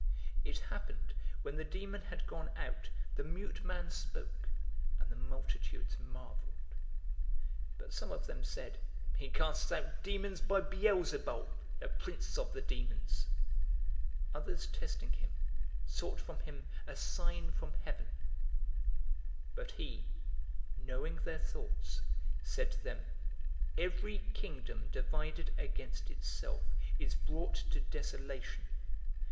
It happened, when the demon had gone out, the mute man spoke; and the multitudes marveled. 011:015 But some of them said, "He casts out demons by Beelzebul, the prince of the demons." 011:016 Others, testing him, sought from him a sign from heaven. 011:017 But he, knowing their thoughts, said to them, "Every kingdom divided against itself is brought to desolation.